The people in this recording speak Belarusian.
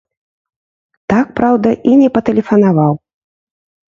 Так, праўда, і не патэлефанаваў.